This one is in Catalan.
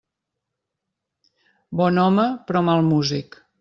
Bon home però mal músic.